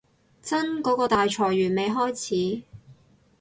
真嗰個大裁員未開始